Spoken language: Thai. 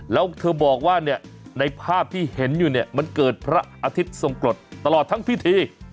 แล้วเธอบอกว่าเนี่ยในภาพที่เห็นอยู่เนี่ยมันเกิดพระอาทิตย์ทรงกรดตลอดทั้งพิธี